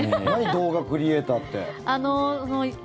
動画クリエーターって何？